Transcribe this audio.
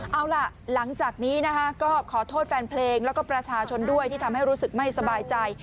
เอาล่ะหลังจากนี้นะคะก็ขอโทษแฟนเพลงแล้วก็ประชาชนด้วยที่ทำให้รู้สึกไม่สบายใจ